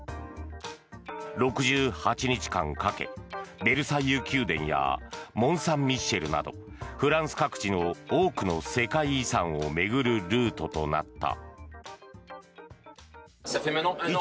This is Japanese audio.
６８日間かけ、ベルサイユ宮殿やモンサンミッシェルなどフランス各地の多くの世界遺産を巡るルートとなった。